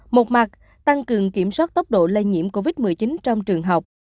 một mặt tăng cường kiểm soát tốc độ lây nhiễm covid một mươi chín trong trường học